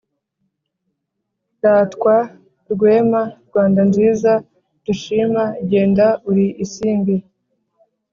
ratwa, rwema, rwanda nziza dushima genda uri isimbi,